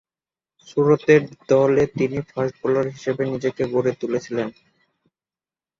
ছোটদের দলে তিনি ফাস্ট বোলার হিসেবে নিজেকে গড়ে তুলেছিলেন।